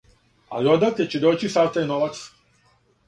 Али одакле ће доћи сав тај новац?